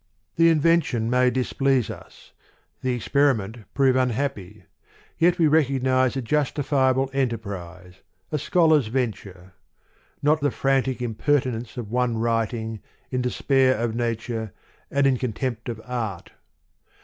The invention may displease us, the exper iment prove unhappy : yet we recognize a justifiable enterprise, a scholar's venture ; not the frantic impertinence of one writing, in despair of nature, and in contempt of art.